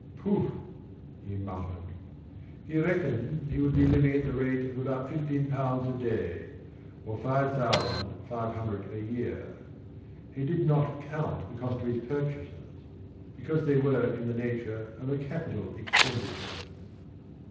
"Pooh!" he muttered. He reckoned he would be living at the rate of about fifteen pounds a day, or five thousand five hundred a year. (He did not count the cost of his purchases, because they were in the nature of a capital expenditure.)